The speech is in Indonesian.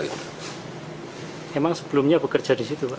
emang sebelumnya bekerja di situ